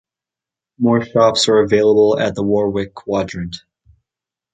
More shops are available at the Warwick Quadrant.